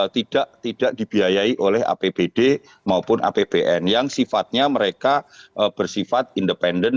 tidak dibiayai oleh apbd maupun apbn yang sifatnya mereka bersifat independen